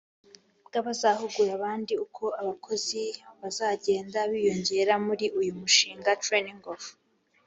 bw abazahugura abandi uko abakozi bazagenda biyongera muri uyu mushinga training of